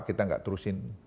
kita nggak terusin